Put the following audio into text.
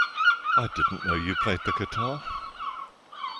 I didn't know you played the guitar!